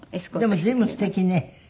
でも随分すてきね。